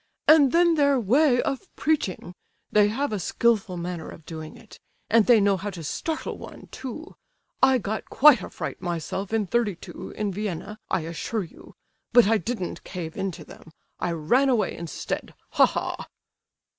"And then their way of preaching; they have a skilful manner of doing it! And they know how to startle one, too. I got quite a fright myself in '32, in Vienna, I assure you; but I didn't cave in to them, I ran away instead, ha, ha!"